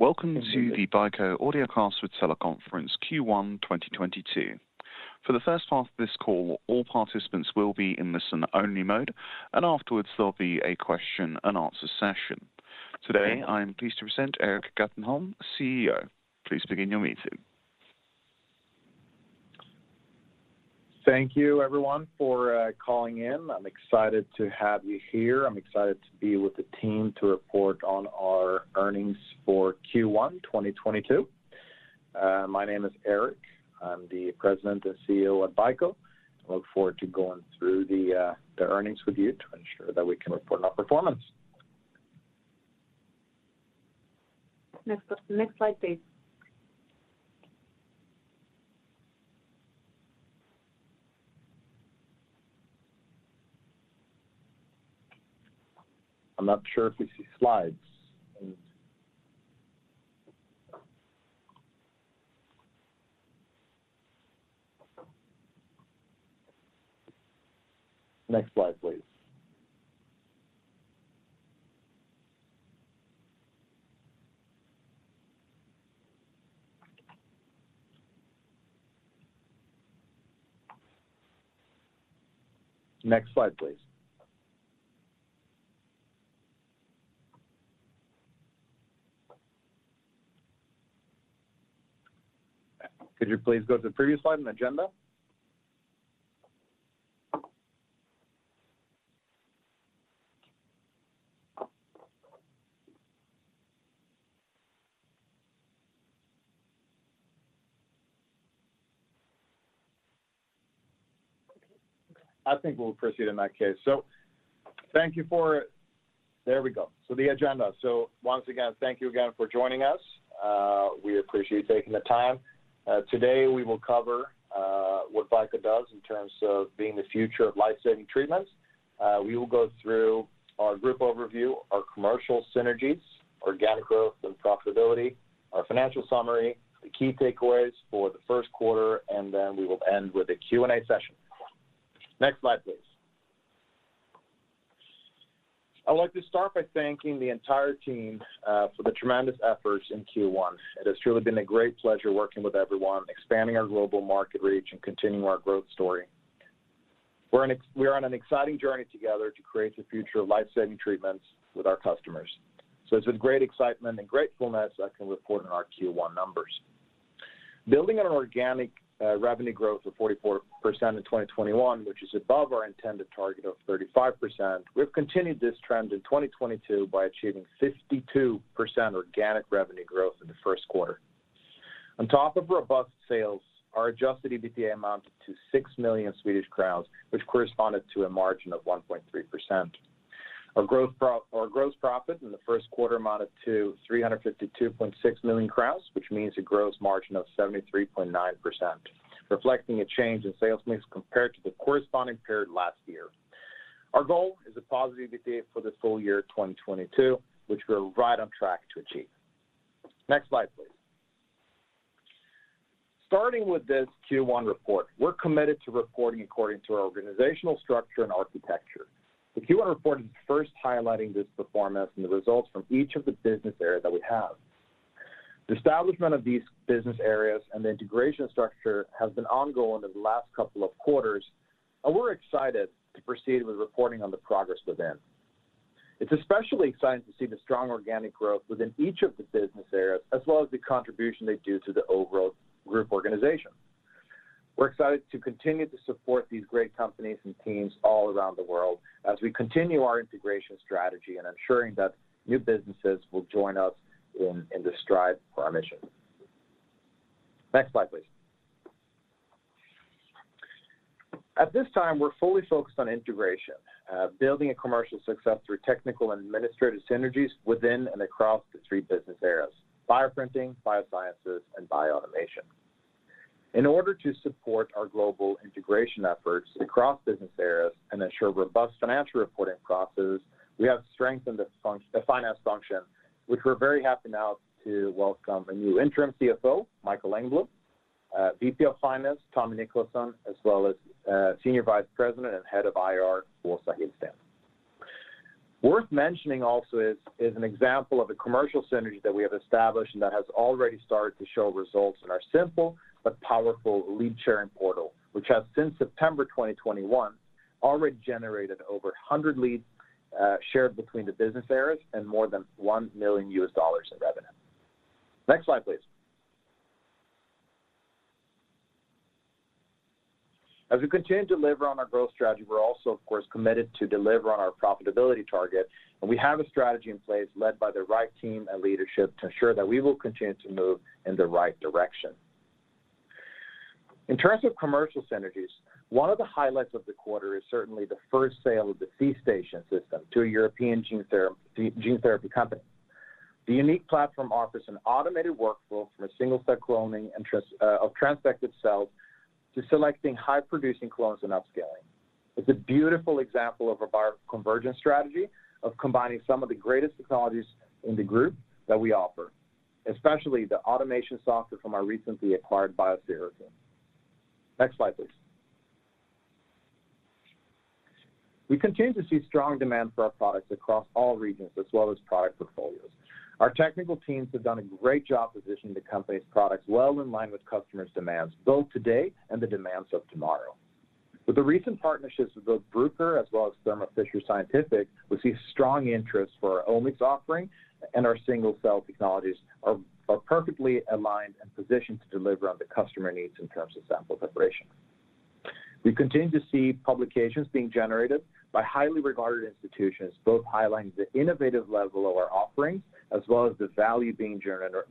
Welcome to the BICO Audiocast with Teleconference Q1 2022. For the first half of this call, all participants will be in listen-only mode, and afterwards there'll be a question and answer session. Today, I am pleased to present Erik Gatenholm, CEO. Please begin your meeting. Thank you everyone for calling in. I'm excited to have you here. I'm excited to be with the team to report on our earnings for Q1 2022. My name is Erik. I'm the President and CEO at BICO. I look forward to going through the earnings with you to ensure that we can report on our performance. Next slide, please. I'm not sure if we see slides. Next slide, please. Next slide, please. Could you please go to the previous slide on agenda? Okay. I think we'll proceed in that case. Thank you for joining us. There we go. The agenda. Once again, thank you again for joining us. We appreciate you taking the time. Today, we will cover what BICO does in terms of being the future of life-saving treatments. We will go through our group overview, our commercial synergies, organic growth and profitability, our financial summary, the key takeaways for the first quarter, and then we will end with a Q&A session. Next slide, please. I'd like to start by thanking the entire team for the tremendous efforts in Q1. It has truly been a great pleasure working with everyone, expanding our global market reach and continuing our growth story. We're on an exciting journey together to create the future of life-saving treatments with our customers. It's with great excitement and gratefulness I can report on our Q1 numbers. Building on an organic revenue growth of 44% in 2021, which is above our intended target of 35%, we've continued this trend in 2022 by achieving 52% organic revenue growth in the first quarter. On top of robust sales, our adjusted EBITDA amounted to 6 million Swedish crowns, which corresponded to a margin of 1.3%. Our gross profit in the first quarter amounted to 352.6 million crowns, which means a gross margin of 73.9%, reflecting a change in sales mix compared to the corresponding period last year. Our goal is a positive EBITDA for the full year 2022, which we're right on track to achieve. Next slide, please. Starting with this Q1 report, we're committed to reporting according to our organizational structure and architecture. The Q1 report is first highlighting this performance and the results from each of the business areas that we have. The establishment of these business areas and the integration structure has been ongoing over the last couple of quarters, and we're excited to proceed with reporting on the progress within. It's especially exciting to see the strong organic growth within each of the business areas, as well as the contribution they do to the overall group organization. We're excited to continue to support these great companies and teams all around the world as we continue our integration strategy and ensuring that new businesses will join us in this strive for our mission. Next slide, please. At this time, we're fully focused on integration, building a commercial success through technical and administrative synergies within and across the three business areas: Bioprinting, Biosciences, and bioautomation. In order to support our global integration efforts across business areas and ensure robust financial reporting processes, we have strengthened the finance function, which we're very happy now to welcome a new interim CFO, Mikael Engblom, VP of Finance, Tom Nicholson, as well as, Senior Vice President and Head of IR, Ulf Segerström. Worth mentioning also is an example of a commercial synergy that we have established and that has already started to show results in our simple but powerful lead sharing portal, which has since September 2021 already generated over 100 leads, shared between the business areas and more than $1 million in revenue. Next slide, please. As we continue to deliver on our growth strategy, we're also of course committed to deliver on our profitability target, and we have a strategy in place led by the right team and leadership to ensure that we will continue to move in the right direction. In terms of commercial synergies, one of the highlights of the quarter is certainly the first sale of the C.STATION system to a European gene therapy company. The unique platform offers an automated workflow from a single-step cloning interest of transfected cells to selecting high-producing clones and upscaling. It's a beautiful example of our bioconvergence strategy of combining some of the greatest technologies in the group that we offer, especially the automation software from our recently acquired Biosero. Next slide, please. We continue to see strong demand for our products across all regions as well as product portfolios. Our technical teams have done a great job positioning the company's products well in line with customers demands, both today and the demands of tomorrow. With the recent partnerships with both Bruker as well as Thermo Fisher Scientific, we see strong interest for our Omics offering and our single cell technologies are perfectly aligned and positioned to deliver on the customer needs in terms of sample preparation. We continue to see publications being generated by highly regarded institutions, both highlighting the innovative level of our offerings as well as the value being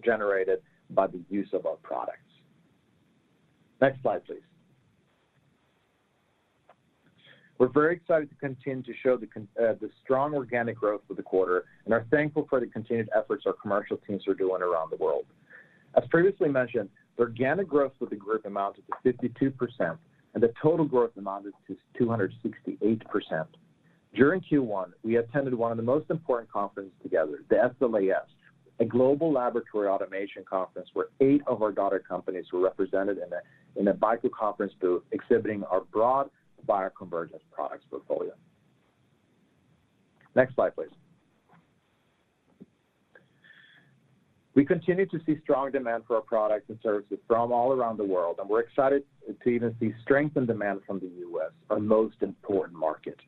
generated by the use of our products. Next slide, please. We're very excited to continue to show the strong organic growth for the quarter and are thankful for the continued efforts our commercial teams are doing around the world. As previously mentioned, the organic growth of the group amounted to 52% and the total growth amounted to 268%. During Q1, we attended one of the most important conference together, the SLAS, a global laboratory automation conference, where eight of our daughter companies were represented in a BICO conference booth exhibiting our broad bioconvergence products portfolio. Next slide, please. We continue to see strong demand for our products and services from all around the world, and we're excited to even see strength in demand from the U.S., our most important market.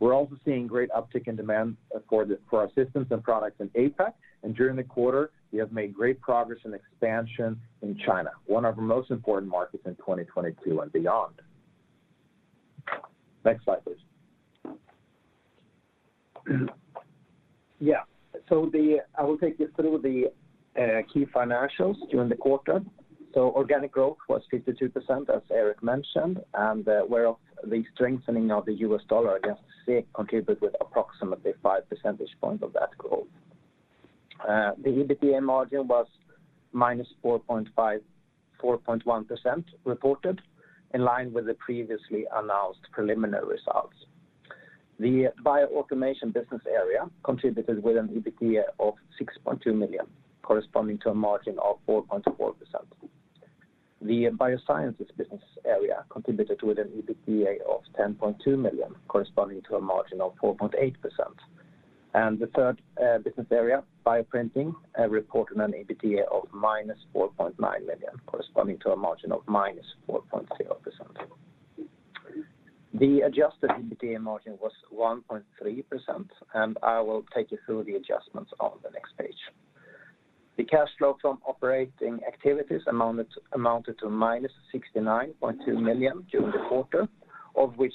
We're also seeing great uptick in demand for our systems and products in APAC. During the quarter, we have made great progress in expansion in China, one of our most important markets in 2022 and beyond. Next slide, please. Yeah. I will take you through the key financials during the quarter. Organic growth was 52%, as Eric mentioned, and whereof the strengthening of the US dollar against SEK contributed with approximately 5 percentage points of that growth. The EBITDA margin was -4.1% reported in line with the previously announced preliminary results. The Bioautomation business area contributed with an EBITDA of 62 million, corresponding to a margin of 4.4%. The Biosciences business area contributed with an EBITDA of 10.2 million, corresponding to a margin of 4.8%. The third business area, Bioprinting, reported an EBITDA of -4.9 million, corresponding to a margin of -4.0%. The adjusted EBITDA margin was 1.3%, and I will take you through the adjustments on the next page. The cash flow from operating activities amounted to -69.2 million during the quarter, of which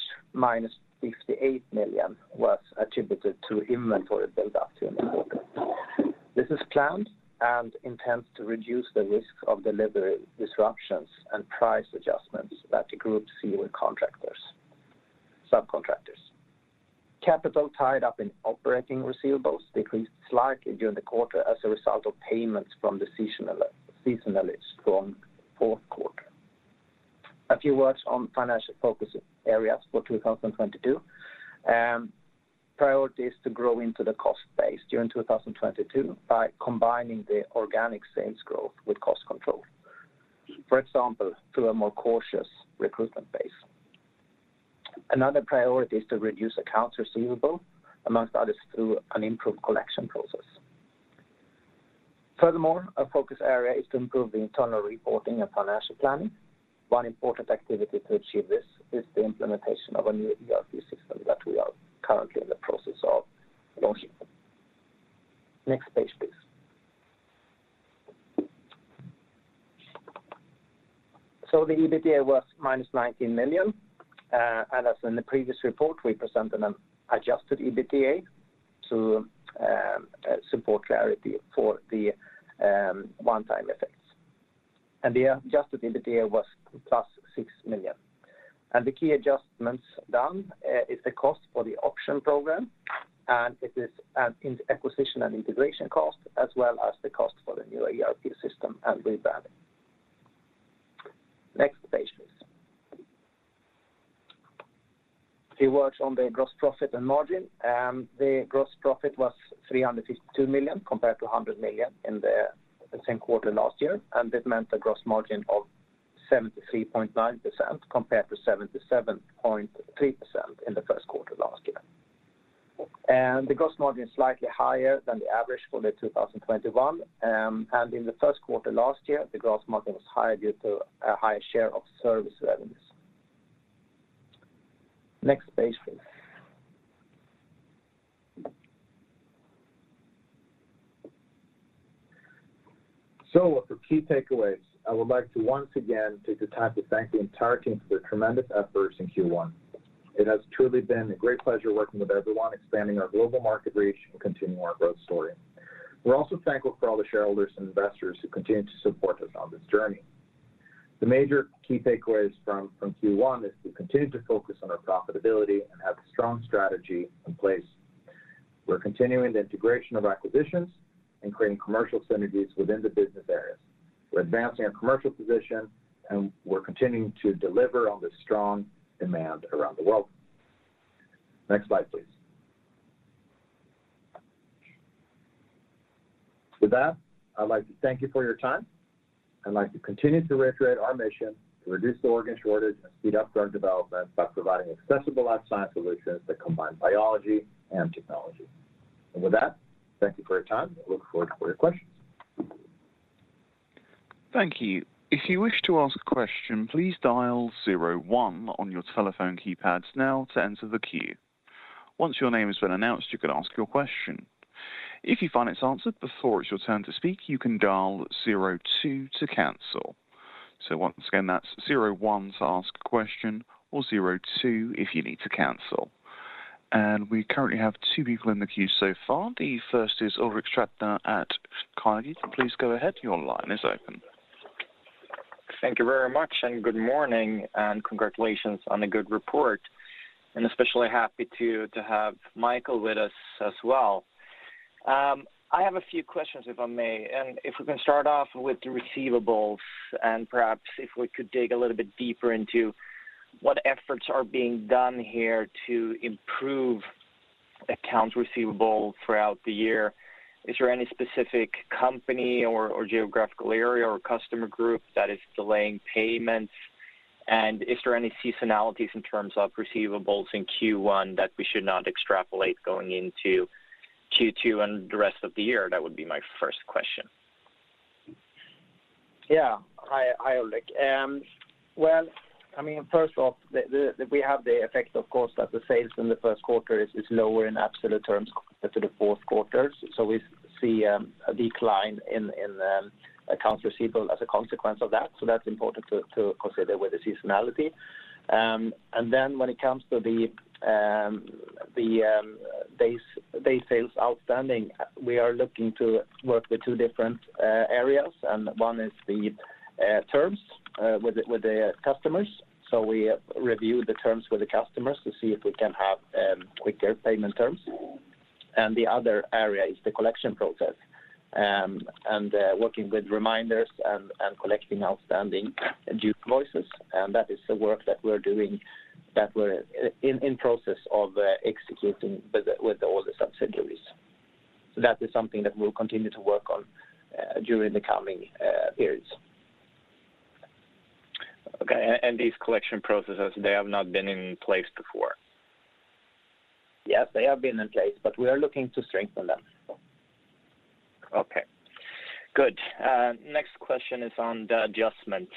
-58 million was attributed to inventory build up during the quarter. This is planned and intends to reduce the risk of delivery disruptions and price adjustments that the group see with contractors, subcontractors. Capital tied up in operating receivables decreased slightly during the quarter as a result of payments from the seasonal, seasonally strong fourth quarter. A few words on financial focus areas for 2022. Priority is to grow into the cost base during 2022 by combining the organic sales growth with cost control, for example, through a more cautious recruitment pace. Another priority is to reduce accounts receivable, among others, through an improved collection process. Furthermore, our focus area is to improve the internal reporting and financial planning. One important activity to achieve this is the implementation of a new ERP system that we are currently in the process of launching. Next page, please. The EBITDA was -19 million. As in the previous report, we presented an adjusted EBITDA to support clarity for the one-time effects. The adjusted EBITDA was 6 million. The key adjustments done is the cost for the option program, and it is an acquisition and integration cost as well as the cost for the new ERP system and rebranding. Next page, please. A few words on the gross profit and margin. The gross profit was 352 million compared to 100 million in the same quarter last year, and this meant a gross margin of 73.9% compared to 77.3% in the first quarter last year. The gross margin is slightly higher than the average for 2021. In the first quarter last year, the gross margin was higher due to a higher share of service revenues. Next page, please. For key takeaways, I would like to once again take the time to thank the entire team for their tremendous efforts in Q1. It has truly been a great pleasure working with everyone, expanding our global market reach, and continuing our growth story. We're also thankful for all the shareholders and investors who continue to support us on this journey. The major key takeaways from Q1 is we continue to focus on our profitability and have a strong strategy in place. We're continuing the integration of acquisitions and creating commercial synergies within the business areas. We're advancing our commercial position, and we're continuing to deliver on the strong demand around the world. Next slide, please. With that, I'd like to thank you for your time. I'd like to continue to reiterate our mission to reduce the organ shortage and speed up drug development by providing accessible life science solutions that combine biology and technology. With that, thank you for your time. I look forward for your questions. Thank you. If you wish to ask a question, please dial zero one on your telephone keypads now to enter the queue. Once your name has been announced, you can ask your question. If you find it's answered before it's your turn to speak, you can dial zero two to cancel. So once again, that's zero one to ask a question or zero two if you need to cancel. We currently have two people in the queue so far. The first is Ulrik Trattner at Carnegie. Please go ahead. Your line is open. Thank you very much, and good morning, and congratulations on a good report, and especially happy to have Mikael with us as well. I have a few questions, if I may. If we can start off with the receivables and perhaps if we could dig a little bit deeper into what efforts are being done here to improve accounts receivable throughout the year. Is there any specific company or geographical area or customer group that is delaying payments? Is there any seasonalities in terms of receivables in Q1 that we should not extrapolate going into Q2 and the rest of the year? That would be my first question. Yeah. Hi, hi, Ulrik. Well, I mean, first off, we have the effect, of course, that the sales in the first quarter is lower in absolute terms compared to the fourth quarter. We see a decline in accounts receivable as a consequence of that. That's important to consider with the seasonality. When it comes to the days sales outstanding, we are looking to work with two different areas, and one is the terms with the customers. We review the terms with the customers to see if we can have quicker payment terms. The other area is the collection process, and working with reminders and collecting outstanding due invoices. That is the work that we're doing, that we're in process of executing with all the subsidiaries. That is something that we'll continue to work on during the coming periods. Okay. These collection processes, they have not been in place before? Yes, they have been in place, but we are looking to strengthen them. Okay. Good. Next question is on the adjustments.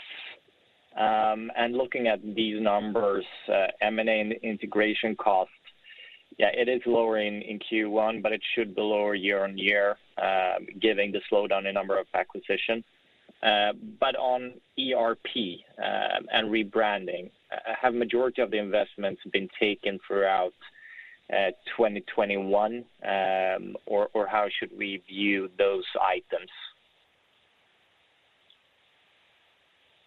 Looking at these numbers, M&A integration costs, yeah, it is lowering in Q1, but it should be lower year-on-year, giving the slowdown in number of acquisitions. On ERP and rebranding, have majority of the investments been taken throughout 2021? Or how should we view those items?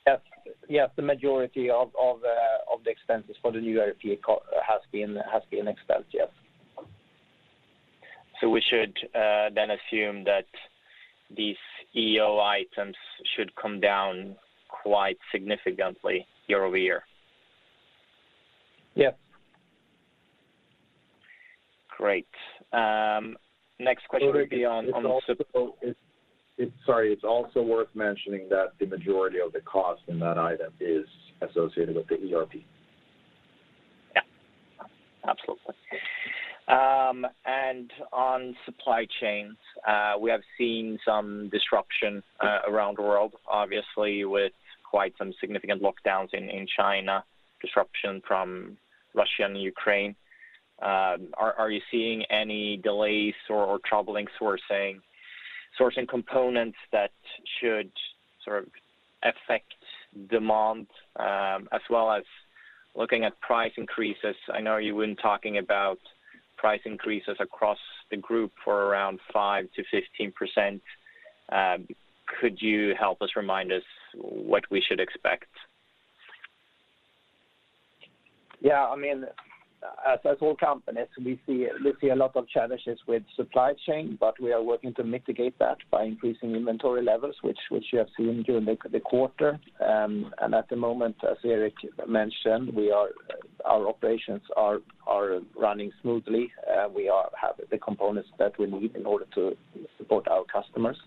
Yes. Yes. The majority of the expenses for the new ERP has been expensed, yes. We should then assume that these Extraordinary items should come down quite significantly year-over-year? Yeah. Great. Next question would be on. Ulrik, it's also. On- Sorry. It's also worth mentioning that the majority of the cost in that item is associated with the ERP. Yeah. Absolutely. On supply chains, we have seen some disruption around the world, obviously with quite some significant lockdowns in China, disruption from Russia and Ukraine. Are you seeing any delays or troubling sourcing components that should sort of affect demand, as well as looking at price increases? I know you've been talking about price increases across the group for around 5%-15%. Could you help us remind us what we should expect? Yeah. I mean, as all companies, we see a lot of challenges with supply chain, but we are working to mitigate that by increasing inventory levels, which you have seen during the quarter. At the moment, as Erik mentioned, our operations are running smoothly, and we have the components that we need in order to support our customers.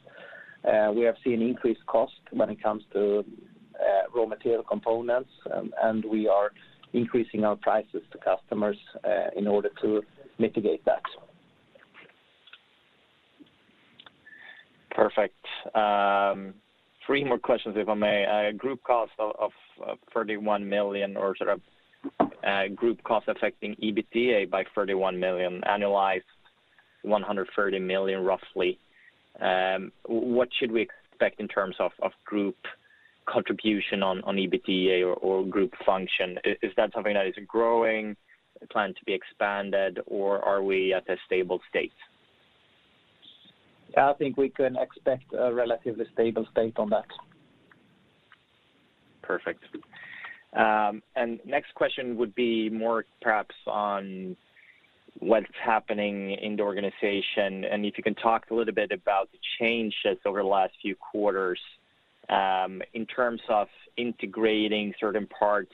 We have seen increased cost when it comes to raw material components, and we are increasing our prices to customers in order to mitigate that. Perfect. Three more questions, if I may. Group cost of 31 million or sort of group cost affecting EBITDA by 31 million, annualized 130 million roughly. What should we expect in terms of group contribution on EBITDA or group function? Is that something that is growing, planned to be expanded, or are we at a stable state? I think we can expect a relatively stable state on that. Perfect. Next question would be more perhaps on what's happening in the organization, and if you can talk a little bit about the changes over the last few quarters in terms of integrating certain parts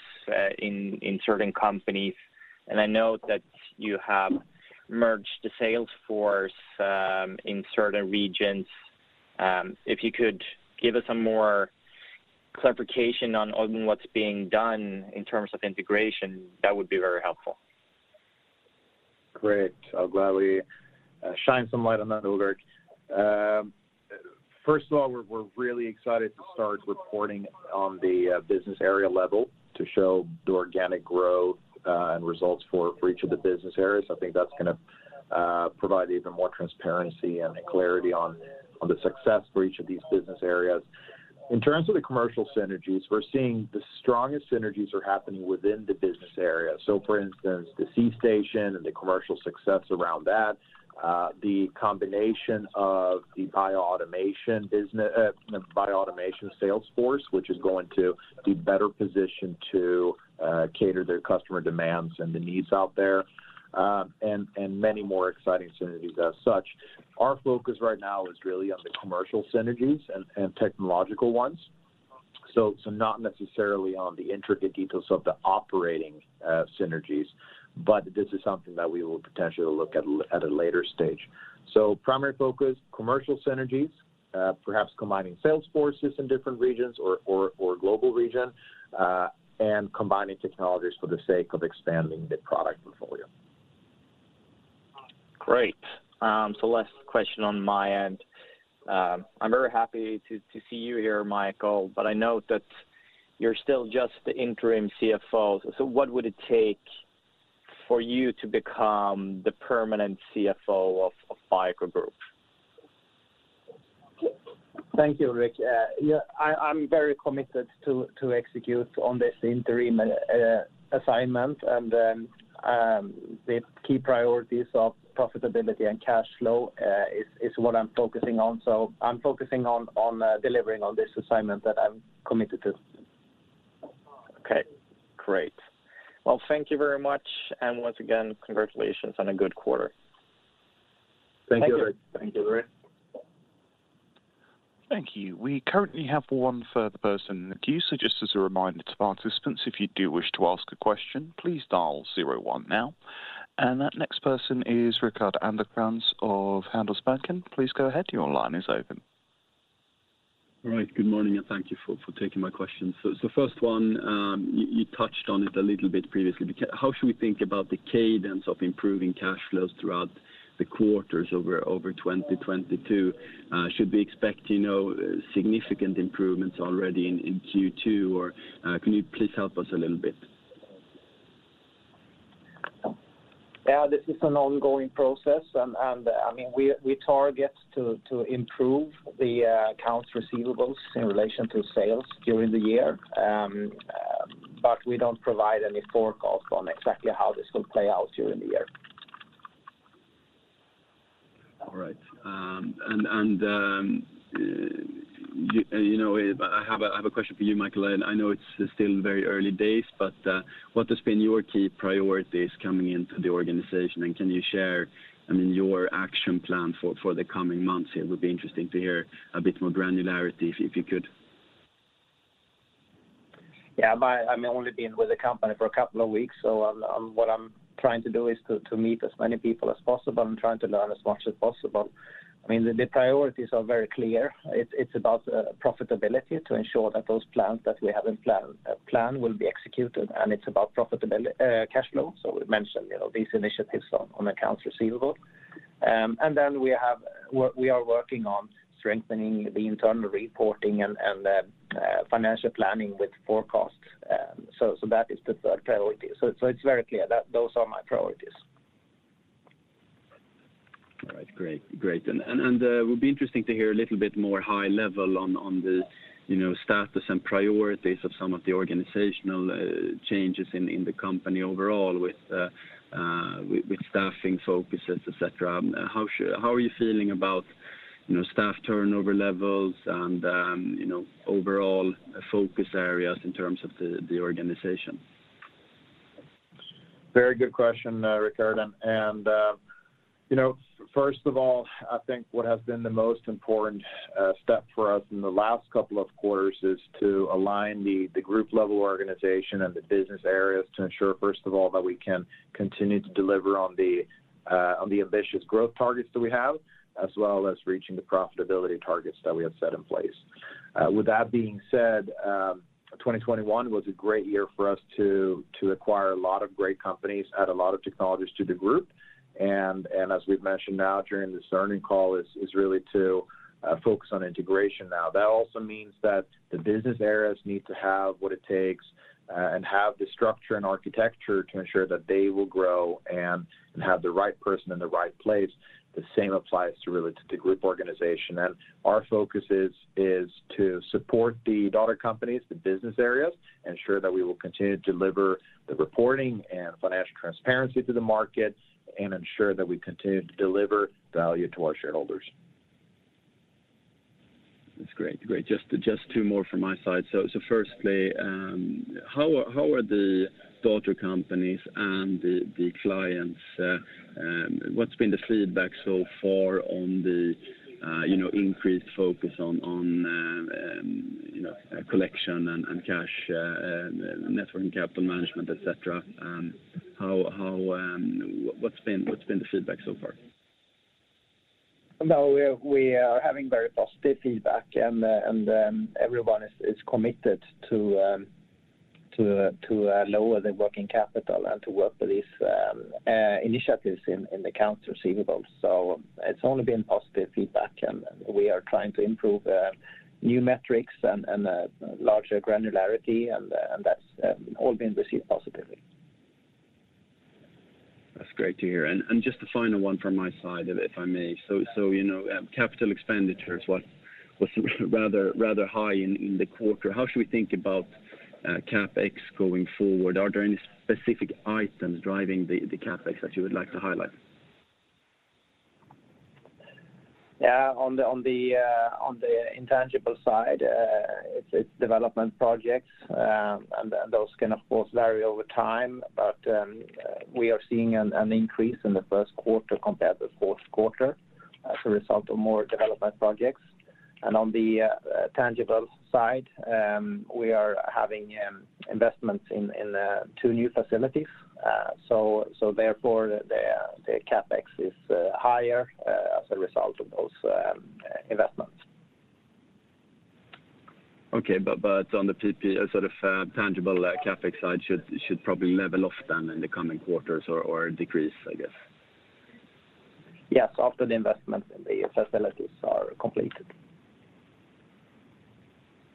in certain companies, and I know that you have merged the sales force in certain regions. If you could give us some more clarification on what's being done in terms of integration, that would be very helpful. Great. I'll gladly shine some light on that, Ulrik. First of all, we're really excited to start reporting on the business area level to show the organic growth and results for each of the business areas. I think that's gonna provide even more transparency and clarity on the success for each of these business areas. In terms of the commercial synergies, we're seeing the strongest synergies are happening within the business area. For instance, the C.STATION and the commercial success around that, the combination of the bioautomation business, bioautomation sales force, which is going to be better positioned to cater their customer demands and the needs out there, and many more exciting synergies as such. Our focus right now is really on the commercial synergies and technological ones. Not necessarily on the intricate details of the operating synergies, but this is something that we will potentially look at at a later stage. Primary focus, commercial synergies, perhaps combining sales forces in different regions or global region, and combining technologies for the sake of expanding the product portfolio. Great. Last question on my end. I'm very happy to see you here, Mikael, but I know that you're still just the interim CFO. What would it take for you to become the permanent CFO of BICO Group? Thank you, Ulrik. Yeah, I'm very committed to execute on this interim assignment. The key priorities of profitability and cash flow is what I'm focusing on. I'm focusing on delivering on this assignment that I'm committed to. Okay, great. Well, thank you very much. Once again, congratulations on a good quarter. Thank you. Thank you, Ulrik. Thank you, Ulrik. Thank you. We currently have one further person in the queue, so just as a reminder to participants, if you do wish to ask a question, please dial zero one now. That next person is Rickard Anderkrans of Handelsbanken. Please go ahead. Your line is open. All right. Good morning, and thank you for taking my question. First one, you touched on it a little bit previously. How should we think about the cadence of improving cash flows throughout the quarters over 2022? Should we expect, you know, significant improvements already in Q2, or can you please help us a little bit? Yeah, this is an ongoing process. I mean, we target to improve the accounts receivables in relation to sales during the year. We don't provide any forecast on exactly how this will play out during the year. All right. You know, I have a question for you, Mikael. I know it's still very early days, but what has been your key priorities coming into the organization? Can you share, I mean, your action plan for the coming months? It would be interesting to hear a bit more granularity if you could. I've only been with the company for a couple of weeks, so I'm what I'm trying to do is to meet as many people as possible and trying to learn as much as possible. I mean, the priorities are very clear. It's about profitability to ensure that those plans that we have in plan will be executed, and it's about profitability, cash flow. We mentioned, you know, these initiatives on accounts receivable. We are working on strengthening the internal reporting and financial planning with forecasts. That is the third priority. It's very clear that those are my priorities. All right. Great. It would be interesting to hear a little bit more high level on the, you know, status and priorities of some of the organizational changes in the company overall with staffing focuses, et cetera. How are you feeling about, you know, staff turnover levels and, you know, overall focus areas in terms of the organization? Very good question, Rickard. You know, first of all, I think what has been the most important step for us in the last couple of quarters is to align the group level organization and the business areas to ensure, first of all, that we can continue to deliver on the ambitious growth targets that we have, as well as reaching the profitability targets that we have set in place. With that being said, 2021 was a great year for us to acquire a lot of great companies, add a lot of technologies to the group. As we've mentioned now during this earnings call, is really to focus on integration now. That also means that the business areas need to have what it takes, and have the structure and architecture to ensure that they will grow and have the right person in the right place. The same applies to really to the group organization. Our focus is to support the daughter companies, the business areas, ensure that we will continue to deliver the reporting and financial transparency to the markets, and ensure that we continue to deliver value to our shareholders. That's great. Great. Just two more from my side. Firstly, how are the daughter companies and the clients, what's been the feedback so far on the, you know, increased focus on, you know, collection and cash network and capital management, et cetera. How, what's been the feedback so far? No, we are having very positive feedback and then everyone is committed to lower their working capital and to work with these initiatives in accounts receivable. It's only been positive feedback, and we are trying to improve new metrics and larger granularity, and that's all been received positively. That's great to hear. Just a final one from my side, if I may. You know, capital expenditures was rather high in the quarter. How should we think about CapEx going forward? Are there any specific items driving the CapEx that you would like to highlight? Yeah. On the intangible side, it's development projects. Those can of course vary over time. We are seeing an increase in the first quarter compared to fourth quarter as a result of more development projects. On the tangible side, we are having investments in two new facilities. Therefore the CapEx is higher as a result of those investments. On the PP&E, sort of, tangible CapEx side should probably level off then in the coming quarters or decrease, I guess. Yes, after the investments in the facilities are completed.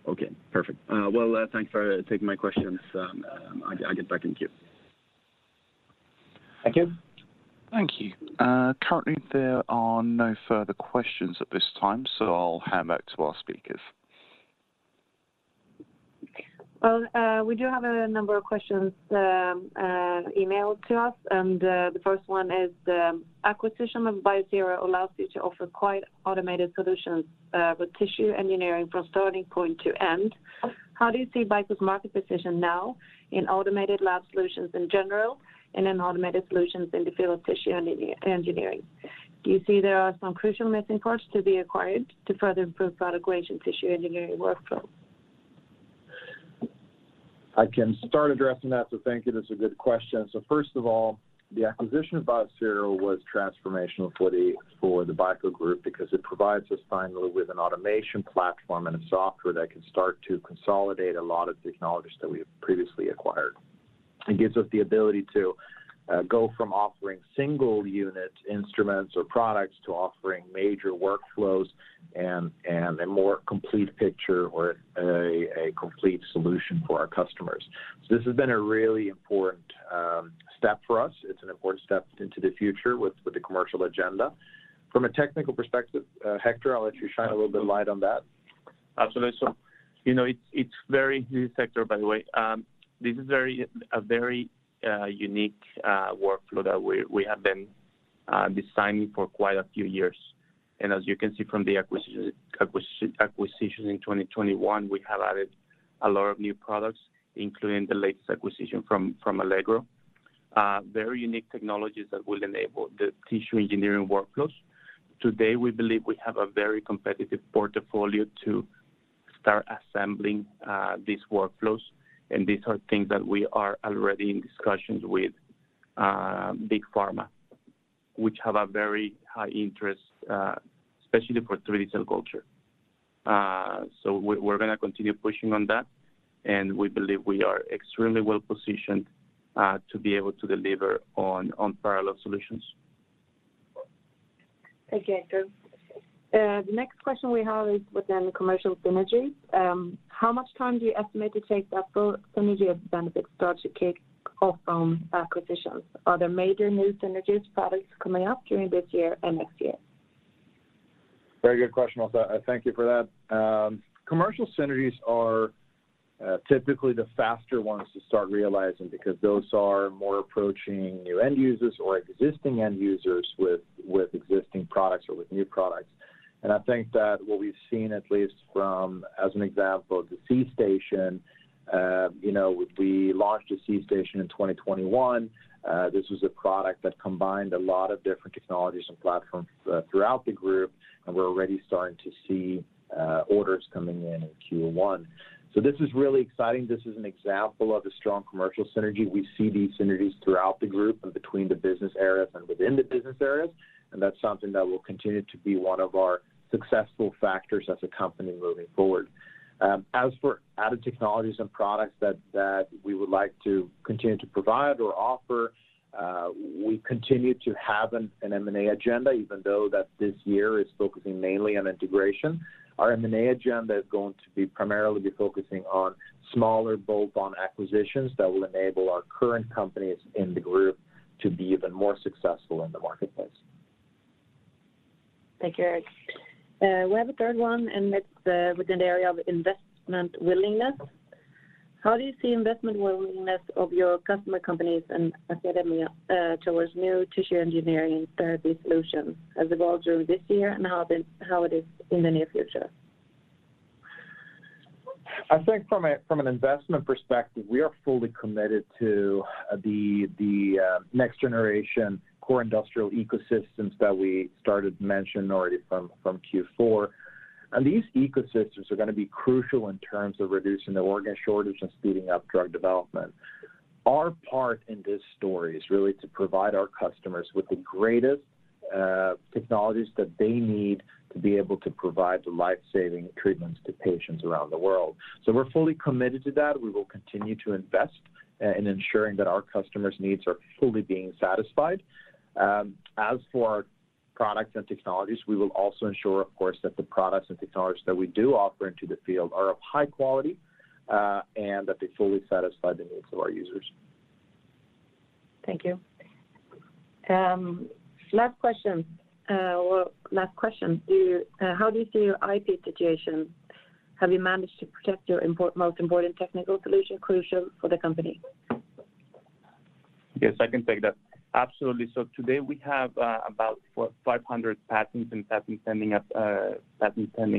Okay, perfect. Well, thanks for taking my questions. I'll get back in queue. Thank you. Thank you. Currently there are no further questions at this time, so I'll hand back to our speakers. Well, we do have a number of questions, emailed to us, and, the first one is, acquisition of Biosero allows you to offer quite automated solutions, with tissue engineering from starting point to end. How do you see BICO's market position now in automated lab solutions in general and in automated solutions in the field of tissue engineering? Do you see there are some crucial missing parts to be acquired to further improve product range and tissue engineering workflow? I can start addressing that. Thank you. That's a good question. First of all, the acquisition of Biosero was transformational for the BICO Group because it provides us finally with an automation platform and a software that can start to consolidate a lot of technologies that we have previously acquired. It gives us the ability to go from offering single unit instruments or products to offering major workflows and a more complete picture or a complete solution for our customers. This has been a really important step for us. It's an important step into the future with the commercial agenda. From a technical perspective, Hector, I'll let you shine a little bit light on that. Absolutely. You know, it's very new sector, by the way. This is a very unique workflow that we have been designing for quite a few years. As you can see from the acquisitions in 2021, we have added a lot of new products, including the latest acquisition from Allegro, very unique technologies that will enable the tissue engineering workflows. Today, we believe we have a very competitive portfolio to start assembling these workflows, and these are things that we are already in discussions with big pharma, which have a very high interest, especially for 3D cell culture. We're gonna continue pushing on that, and we believe we are extremely well positioned to be able to deliver on parallel solutions. Thank you, Hector. The next question we have is within commercial synergies. How much time do you estimate it takes after synergy benefits start to kick off from acquisitions? Are there major new synergies products coming up during this year and next year? Very good question. Also, I thank you for that. Commercial synergies are typically the faster ones to start realizing because those are more approaching new end users or existing end users with existing products or with new products. I think that what we've seen, at least from, as an example, the C.STATION, you know, we launched the C.STATION in 2021. This was a product that combined a lot of different technologies and platforms throughout the group, and we're already starting to see orders coming in Q1. This is really exciting. This is an example of a strong commercial synergy. We see these synergies throughout the group and between the business areas and within the business areas, and that's something that will continue to be one of our successful factors as a company moving forward. As for added technologies and products that we would like to continue to provide or offer, we continue to have an M&A agenda, even though this year is focusing mainly on integration. Our M&A agenda is going to be primarily focusing on smaller bolt-on acquisitions that will enable our current companies in the group to be even more successful in the marketplace. Thank you, Eric. We have a third one, and it's within the area of investment willingness. How do you see investment willingness of your customer companies and academia towards new tissue engineering therapy solutions as evolve during this year and how it is in the near future? I think from an investment perspective, we are fully committed to the next generation core industrial ecosystems that we started mentioning already from Q4. These ecosystems are gonna be crucial in terms of reducing the organ shortage and speeding up drug development. Our part in this story is really to provide our customers with the greatest technologies that they need to be able to provide the life-saving treatments to patients around the world. We're fully committed to that. We will continue to invest in ensuring that our customers' needs are fully being satisfied. As for our products and technologies, we will also ensure, of course, that the products and technologies that we do offer into the field are of high quality, and that they fully satisfy the needs of our users. Thank you. Last question. How do you see your IP situation? Have you managed to protect your most important technical solution crucial for the company? Yes, I can take that. Absolutely. Today we have about 500 patents and patent pending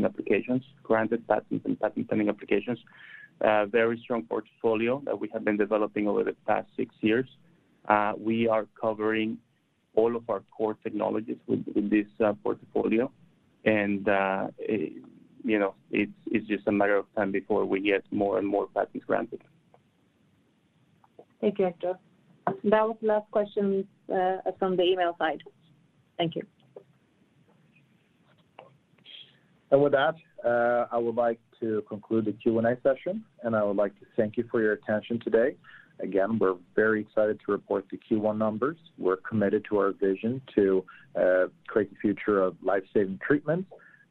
applications, granted patents and patent pending applications. Very strong portfolio that we have been developing over the past six years. We are covering all of our core technologies with this portfolio. You know, it's just a matter of time before we get more and more patents granted. Thank you, Hector. That was the last question from the email side. Thank you. With that, I would like to conclude the Q&A session, and I would like to thank you for your attention today. Again, we're very excited to report the Q1 numbers. We're committed to our vision to create the future of life-saving treatments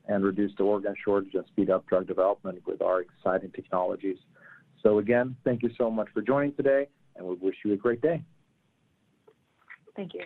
and reduce the organ shortage and speed up drug development with our exciting technologies. Again, thank you so much for joining today, and we wish you a great day. Thank you.